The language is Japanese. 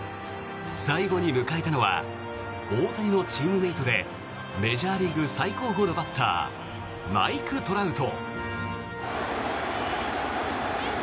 最後に迎えたのは大谷のチームメートでメジャーリーグ最高峰のバッターマイク・トラウト。